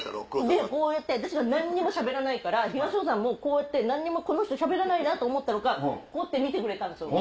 でこうやって私が何にもしゃべらないから東野さんも何にもこの人しゃべらないなと思ったのかこうやって見てくれたんですよ。